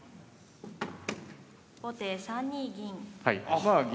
後手３二銀。